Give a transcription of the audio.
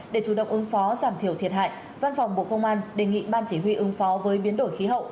để chủ động ứng phó giảm thiểu thiệt hại văn phòng bộ công an đề nghị ban chỉ huy ứng phó với biến đổi khí hậu